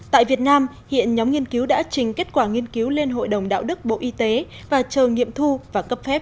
tại việt nam hiện nhóm nghiên cứu đã trình kết quả nghiên cứu lên hội đồng đạo đức bộ y tế và chờ nghiệm thu và cấp phép